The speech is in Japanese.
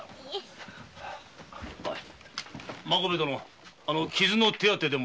孫兵衛殿傷の手当てでも。